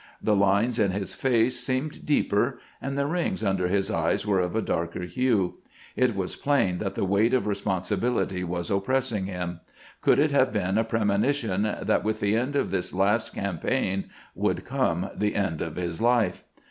The lines in his face seemed deeper, and the rings under his eyes were of a darker hue. It was plain that the weight of responsibility was oppressing him. Could it have been a premonition that with the end of this last campaign would come the end of his life?